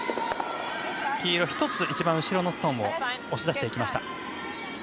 黄色１つ、一番後ろのストーンを押し出しました。